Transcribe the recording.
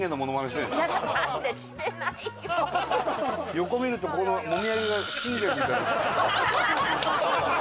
横見るとこのもみあげが信玄みたいな。